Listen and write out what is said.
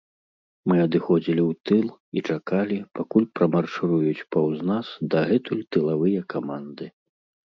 Мы адыходзілі ў тыл і чакалі, пакуль прамаршыруюць паўз нас дагэтуль тылавыя каманды.